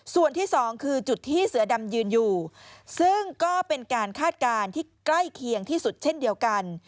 ส่วนที่สองคือจุดที่เสือดำยืนอยู่ซึ่งก็เป็นการคาดการณ์ที่ใกล้เคียงที่สุดเช่นเดียวกัน